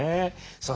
さあ